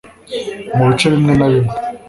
mu bice bimwe na bimwe